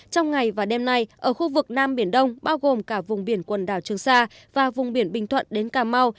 trong ngày và đêm nay ở khu vực nam biển đông bao gồm cả vùng biển quần đảo trường sa và vùng biển bình thuận đến cà mau